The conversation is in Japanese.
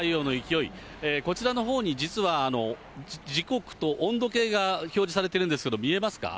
太陽の勢い、こちらのほうに実は、時刻と温度計が表示されているんですけれども、見えますか？